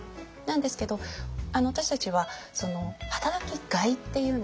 なんですけど私たちは働きがいっていうんですかね